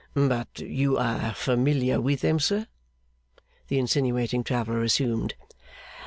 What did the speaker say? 'But you are familiar with them, sir?' the insinuating traveller assumed.